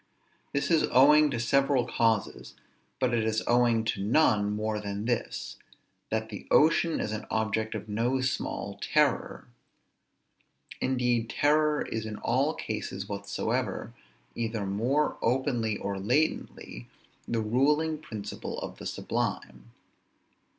This is owing to several causes; but it is owing to none more than this, that the ocean is an object of no small terror. Indeed terror is in all cases whatsoever, either more openly or latently, the ruling principle of the sublime.